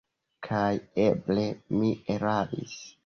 Kaj eble mi eraris!